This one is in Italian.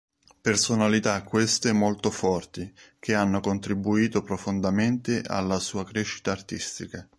Personalità queste molto forti che hanno contribuito profondamente alla sua crescita artistica.